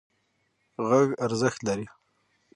غږ ارزښت لري.